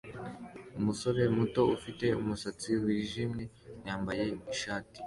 Umusore muto ufite umusatsi wijimye yambaye ishati